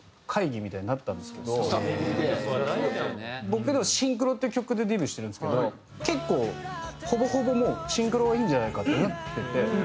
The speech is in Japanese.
僕『シンクロ』っていう曲でデビューしてるんですけど結構ほぼほぼもう『シンクロ』がいいんじゃないかってなってて。